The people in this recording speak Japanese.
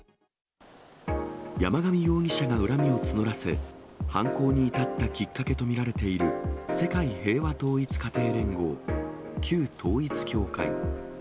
山上容疑者が恨みを募らせ、犯行に至ったきっかけと見られている、世界平和統一家庭連合、旧統一教会。